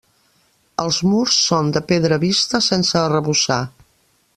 Els murs són de pedra vista, sense arrebossar.